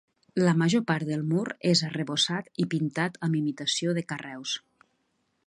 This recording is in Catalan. La major part del mur és arrebossat i pintat amb imitació de carreus.